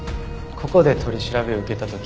ここで取り調べ受けた時。